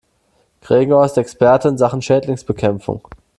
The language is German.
Gregor ist Experte in Sachen Schädlingsbekämpfung.